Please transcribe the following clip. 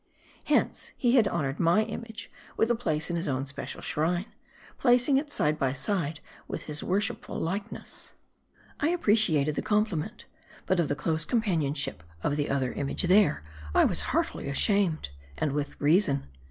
Hence he had honored my image with a place in his own special shrine ; placing it side by side with his worshipful likeness. I appreciated the compliment. But of the close compan ionship of the other image there, I was heartily ashamed. And with reason.